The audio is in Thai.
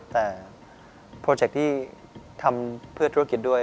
แต่โปรเจคที่ทำเพื่อธุรกิจด้วย